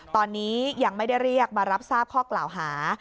ตอนนี้ยังไม่ได้เรียกมารับทราบข้อกล่าวหา